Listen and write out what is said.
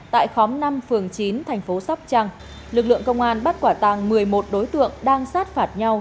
tại khóm năm phường chín thành phố sóc trăng lực lượng công an bắt quả tàng một mươi một đối tượng đang sát phạt nhau